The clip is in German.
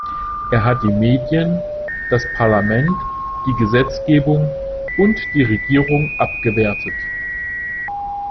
Er hat die Medien, das Parlament, die Gesetzgebung und die Regierung abgewertet.